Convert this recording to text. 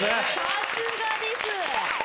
さすがです！